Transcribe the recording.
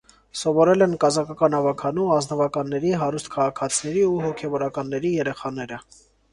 Սովորել են կազակական ավագանու, ազնվականների, հարուստ քաղաքացիների ու հոգևորականների երեխաները։